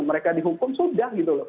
mereka dihukum sudah